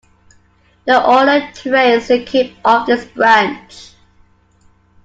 The ore trains came off this branch.